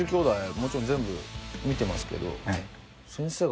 もちろん全部見てますけど。